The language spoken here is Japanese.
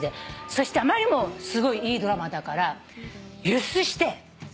そしてあまりにもすごいいいドラマだから輸出して。